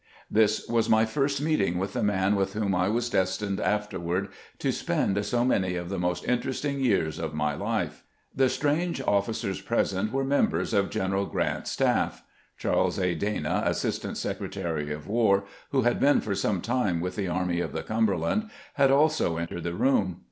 This was my first meeting with the man with whom I was destined afterward to spend so many of the most interesting years of my life. The strange officers present were members of General Grant's staff. Charles A. Dana, Assistant Secretary of War, who had been for some time with the Army of the Cumberland, had also entered the room.